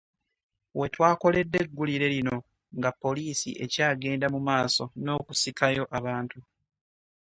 We twakoledde eggulire lino nga poliisi ekyagenda mu maaso n'okusikayo abantu